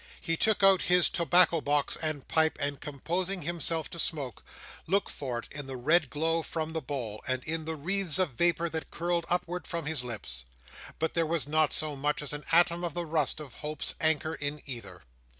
He took out his tobacco box and pipe, and composing himself to smoke, looked for it in the red glow from the bowl, and in the wreaths of vapour that curled upward from his lips; but there was not so much as an atom of the rust of Hope's anchor in either.